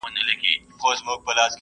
طبیعت د غږونو تقلید لپاره سندرې کارولې.